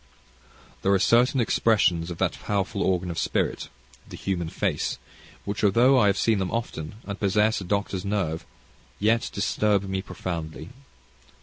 There are certain expressions of that powerful organ of spirit the human face which, although I have seen them often, and possess a doctor's nerve, yet disturb me profoundly.